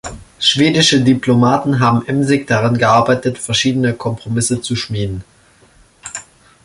Schwedische Diplomaten haben emsig daran gearbeitet, verschiedene Kompromisse zu schmieden.